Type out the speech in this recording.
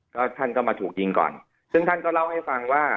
ก็ท่านก็มาถูกยิงก่อนซึ่งท่านก็เล่าให้ฟังว่า